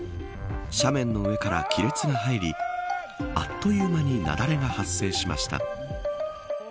斜面の上から亀裂が入りあっという間に雪崩が発生しました。